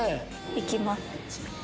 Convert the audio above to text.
行きます。